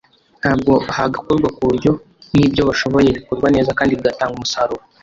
nabwo hagakorwa ku buryo n’ibyo bashoboye bikorwa neza kandi bigatanga umusaruro